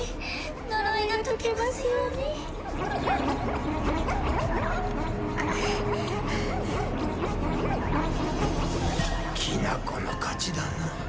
きなこの勝ちだな。